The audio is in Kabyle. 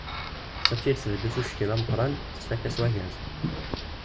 Tafyirt tbeddu s usekkil ameqqran, tettfakka s wagaz.